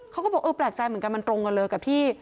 เขาก็บอกเออแปลกใจเหมือนกันมันตรงกันเลยกับที่